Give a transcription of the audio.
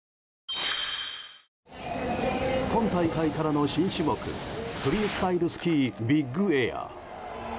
今大会からの新種目フリースタイルスキービッグエア。